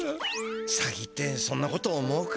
サギってそんなこと思うか？